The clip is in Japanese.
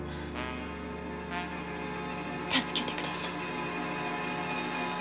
助けてください。